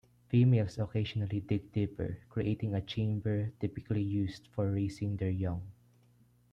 Females occasionally dig deeper, creating a chamber typically used for raising their young.